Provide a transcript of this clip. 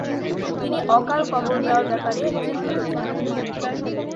তিনি অকাল কবর দেওয়ার ব্যাপারে চিন্তিত ছিলেন।